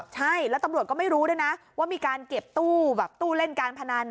ใช่แล้วตำรวจก็ไม่รู้ด้วยนะว่ามีการเก็บตู้แบบตู้เล่นการพนัน